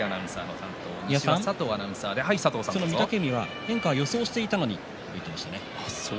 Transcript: その御嶽海変化は予想していたのにと話していました。